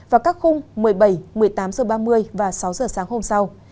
vào các khung một mươi bảy một mươi tám h ba mươi và sáu h sáng hôm sau